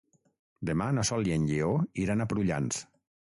Demà na Sol i en Lleó iran a Prullans.